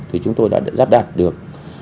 thì chúng tôi đã giáp đạt được